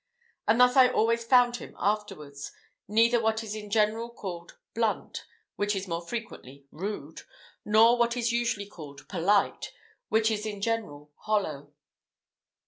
And thus I always found him afterwards neither what is in general called blunt, which is more frequently rude, nor what is usually called polite, which is in general hollow.